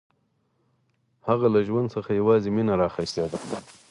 هغه له ژوند څخه یوازې مینه راخیستې ده